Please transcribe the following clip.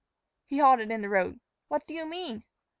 He halted in the road. "What do you mean?"